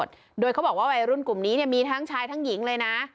โดยเขาบอกว่าวัยรุ่นกลุ่มนี้เนี่ยมีทั้งชายทั้งหญิงเลยนะ